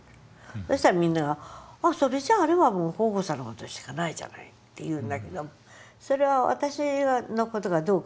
そしたらみんなが「それじゃあれはもう紘子さんの事しかないじゃない」って言うんだけどもそれは私の事かどうか分からない。